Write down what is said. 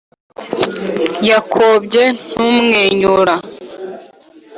yakobye ntumwenyura